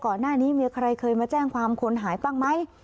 ก่อนหน้านี้มีใครเคยมาแจ้งความคนหายบ้างไหม